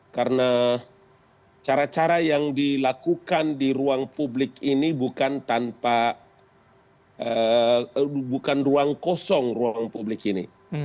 karena cara cara yang dilakukan di ruang publik ini bukan tanpa bukan ruang kosong ruang publik ini